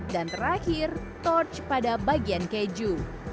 dan terakhir torch pada bagian keju